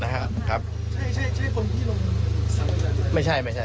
ใช่ใช่ใช่คนที่ลงไม่ใช่ไม่ใช่ไม่ใช่